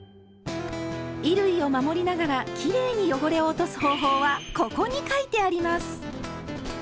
衣類を守りながらきれいに汚れを落とす方法は「ここ」に書いてあります！